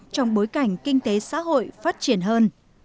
trong bối cảnh kinh tế xã hội phát triển hơn